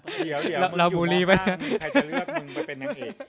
เดี๋ยวมึงยูรีแว่นใครจะเลือกมึงไปเป็นนางเอก